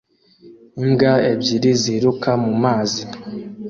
Imbwa ebyiri ziruka mu mazi